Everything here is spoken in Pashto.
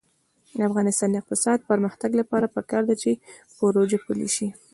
د افغانستان د اقتصادي پرمختګ لپاره پکار ده چې پروژه پلي شي.